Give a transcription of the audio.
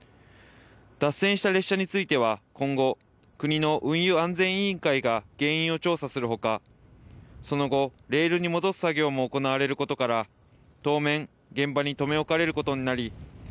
脱線した列車については今後、国の運輸安全委員会が原因を調査するほかその後、レールに戻す作業も行われることから当面、現場に止め置かれることになり